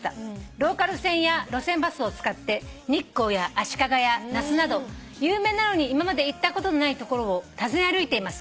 「ローカル線や路線バスを使って日光や足利や那須など有名なのに今まで行ったことのない所を訪ね歩いています。